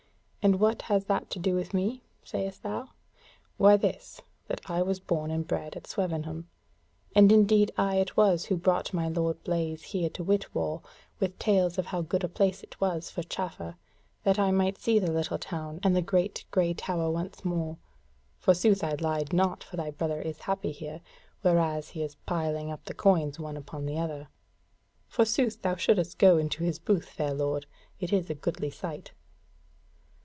And what has that to do with me? sayest thou: why this, that I was born and bred at Swevenham. And indeed I it was who brought my lord Blaise here to Whitwall, with tales of how good a place it was for chaffer, that I might see the little town and the great grey tower once more. Forsooth I lied not, for thy brother is happy here, whereas he is piling up the coins one upon the other. Forsooth thou shouldest go into his booth, fair lord; it is a goodly sight."